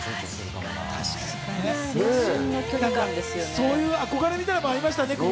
そういう憧れみたいのもありましたね。